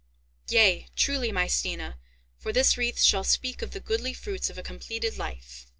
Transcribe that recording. "Yea, truly, my Stina, for this wreath shall speak of the goodly fruits of a completed life."